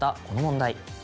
この問題。